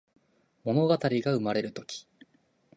ものがたりがうまれるとき